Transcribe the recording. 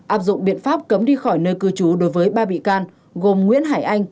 áp dụng biện pháp cấm đi khỏi nơi cư trú đối với ba bị can gồm nguyễn hải anh